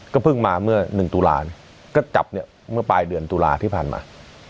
ก็เพิ่งมาเมื่อ๑ตุลาก็จับเนี่ยเมื่อปลายเดือนตุลาที่ผ่านมา